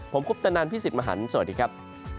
ผมคุปตะนันพี่สิทธิ์มหันฯสวัสดีครับ